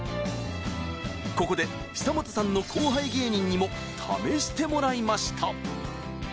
ここで久本さんの後輩芸人にも試してもらいました